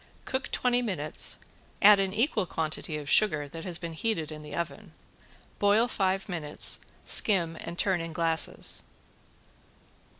Cook twenty minutes, add an equal quantity of sugar that has been heated in the oven. Boil five minutes, skim and turn in glasses.